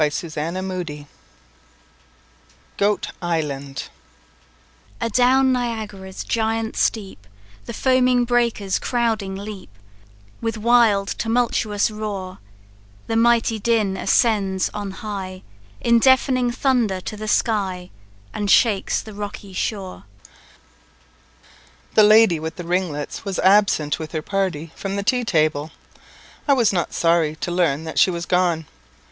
CHAPTER XVIII Goat Island "Adown Niagara's giant steep, The foaming breakers crowding leap, With wild tumultuous roar; The mighty din ascends on high, In deafening thunder to the sky, And shakes the rocky shore." S.M. The lady with the ringlets was absent with her party from the tea table; I was not sorry to learn that she was gone.